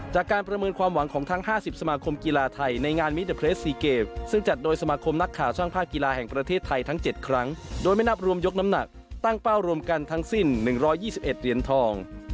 ประเมินความหวังของทั้ง๕๐สมาคมกีฬาไทยในงานมิเตอร์เพลส๔เกมซึ่งจัดโดยสมาคมนักข่าวช่างภาคกีฬาแห่งประเทศไทยทั้ง๗ครั้งโดยไม่นับรวมยกน้ำหนักตั้งเป้ารวมกันทั้งสิ้น๑๒๑เหรียญทอง